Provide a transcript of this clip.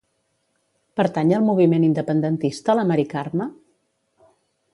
Pertany al moviment independentista la Mari Carme?